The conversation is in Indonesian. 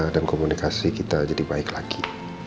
dan komunikasi kita jadi baik lagi